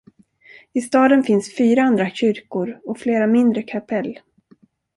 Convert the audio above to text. I staden finns fyra andra kyrkor och flera mindre kapell.